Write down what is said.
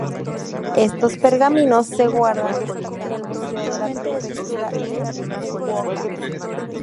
Estos pergaminos se guardan en el museo de la prefectura de Fukuoka.